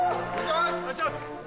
お願いします！